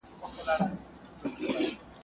ښوونکي زموږ پاڼه نه ده وړاندي کړې.